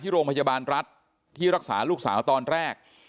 โรงพยาบาลรัฐที่รักษาลูกสาวตอนแรก